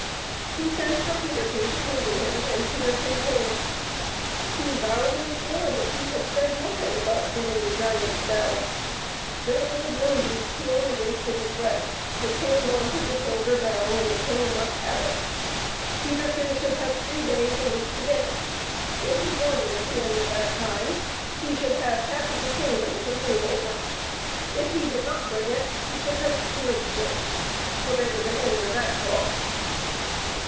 He sent for Peterkin to come to him, and Peterkin came. He vowed and swore that he had said nothing about getting the giant's bell. But it was of no use ; he only wasted his breath. The king wanted the silver bell, and the king must have it. Peterkin should have three days in which to get it. If he brought it at the end of that time, he should have half of the kingdom to I84 PETERKIN AND THE LITTLE GREY HARE. rule over. If he did not bring it he should have his ears clipped ; so there was an end of that talk.